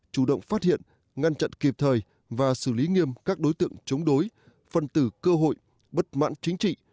chủ động phát hiện ngăn chặn kịp thời và xử lý nghiêm các đối tượng chống đối phân tử cơ hội bất mãn chính trị